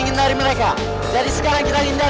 sama saya juga gak tega